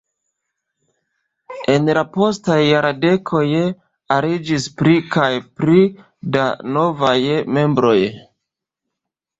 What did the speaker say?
En la postaj jardekoj aliĝis pli kaj pli da novaj membroj.